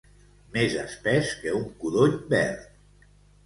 Més espès que un codony verd.